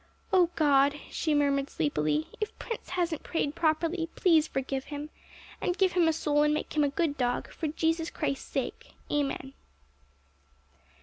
'O God,' she murmured sleepily, 'if Prince hasn't prayed properly, please forgive him, and give him a soul and make him a good dog, for Jesus Christ's sake. Amen.'